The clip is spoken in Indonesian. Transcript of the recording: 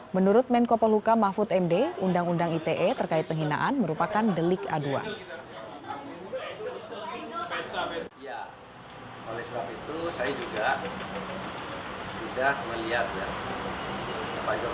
menurut menko poluka mahfud md undang undang ite terkait penghinaan merupakan delik aduan